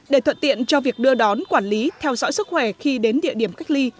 để thuận tiện cho việc đưa đón quản lý theo dõi sức khỏe khi đến địa điểm cách ly